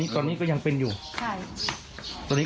วันนี้ก็ยังเป็นอยู่ใช่แล้ว